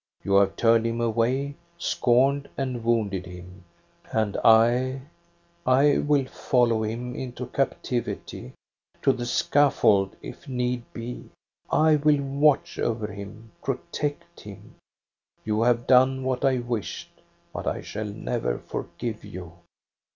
You have turned him away, scorned, and wounded him, and I — I will follow him into captivity ; to the scaffold if need be. I will watch over him, protect him. You have done what I wished, but I shall never forgive you."